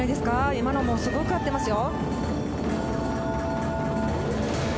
今のもすごく合ってますよ。